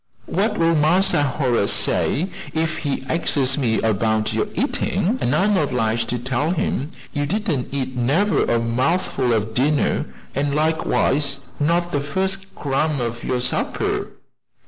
"What will Massa Horace say if he axes me 'bout your eatin' an' I'm 'bliged to tell him you didn't eat never a mouthful of dinner, an' likewise not the first crumb of your supper?"